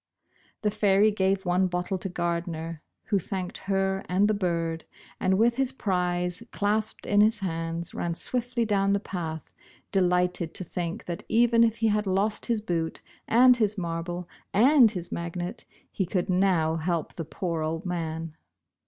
The fairy gave one bottle to Gardner, who thanked her and the bird, and with his prize clasped in his hands, ran swiftly down the path, delighted to think that even if he had lost his boot and his marble and magnet, he could now help the poor old man.